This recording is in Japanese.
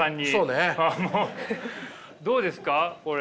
どうですかこれ。